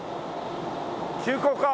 急行か？